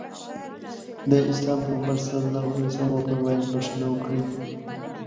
د اسلام پيغمبر ص وفرمايل بښنه وکړئ.